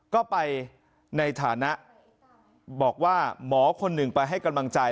ก็ไปในฐานะบอกว่าหมอคนหนึ่งไปให้กำลังใจ